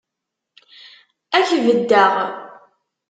Ad k-beddeɣ.